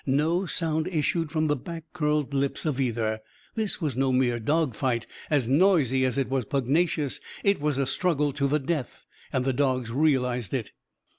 No sound issued from the back curled lips of either. This was no mere dogfight, as noisy as it was pugnacious. It was a struggle to the death. And the dogs realised it.